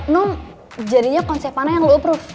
non jadinya konsep mana yang lo approve